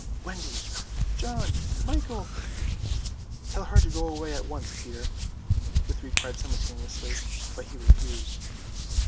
"Wendy!" "John!" "Michael!" "Tell her to go away at once, Peter," the three cried simultaneously, but he refused.